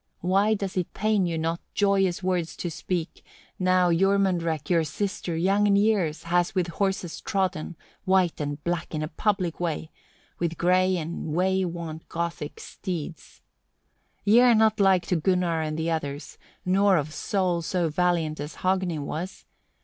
why does it pain you not joyous words to speak, now Jormunrek your sister young in years has with horses trodden, white and black, in the public way, with grey and way wont Gothic steeds? 3. Ye are not like to Gunnar and the others, nor of soul so valiant as Hogni was.